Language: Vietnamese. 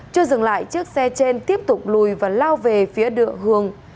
chưa dừng lại chiếc xe trên tiếp tục lùi và lao về phía đựa hường